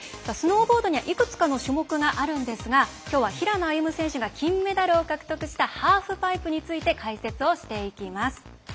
スノーボードにはいくつかの種目があるんですがきょうは平野歩夢選手が金メダルを獲得したハーフパイプについて解説していきます。